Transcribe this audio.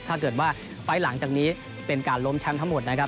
ถ้าเกิดว่าไฟล์หลังจากนี้เป็นการล้มแชมป์ทั้งหมดนะครับ